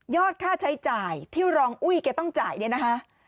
ค่าใช้จ่ายที่รองอุ้ยแกต้องจ่ายเนี่ยนะคะ